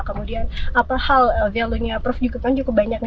kemudian apa hal value nya prof juga kan cukup banyak